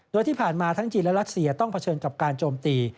โดยที่ผ่านมาทั้งจีนและรัสเซียต้องเผชิญกับการโจมตี